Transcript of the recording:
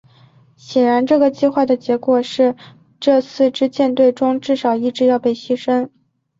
显然这个计划的结果是这四支舰队中至少一支要被牺牲。